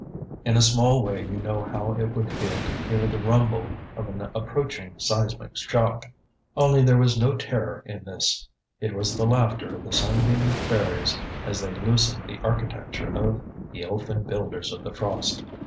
In a small way you know how it would feel to hear the rumble of an approaching seismic shock. Only there was no terror in this. It was the laughter of the sunbeam fairies as they loosened the architecture of "the elfin builders of the frost."